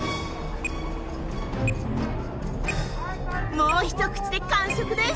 もう一口で完食です。